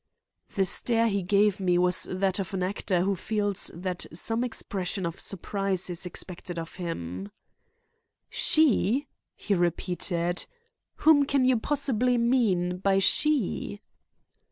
The stare he gave me was that of an actor who feels that some expression of surprise is expected from him. "She?" he repeated. "Whom can you possibly mean by she?"